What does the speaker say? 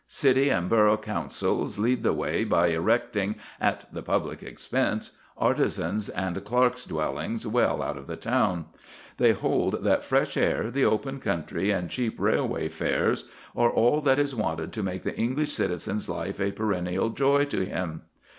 City and borough councils lead the way by erecting, at the public expense, artisans' and clerks' dwellings well out of the town. They hold that fresh air, the open country, and cheap railway fares are all that is wanted to make the English citizen's life a perennial joy to him.